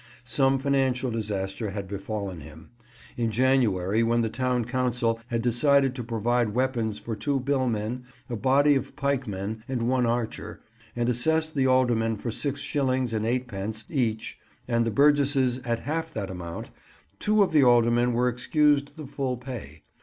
Some financial disaster had befallen him. In January, when the town council had decided to provide weapons for two billmen, a body of pikemen, and one archer, and assessed the aldermen for six shillings and eightpence each and the burgesses at half that amount, two of the aldermen were excused the full pay.